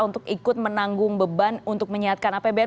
untuk ikut menanggung beban untuk menyiapkan apbn